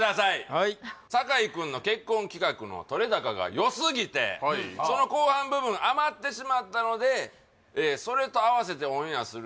はい酒井君の結婚企画の撮れ高がよすぎてはいその後半部分余ってしまったのでそれとあわせてオンエアする